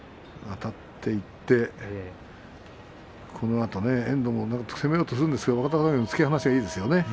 あたっていってそのあとですね遠藤も攻めようとするんですけれども若隆景の突き放しがいいですね。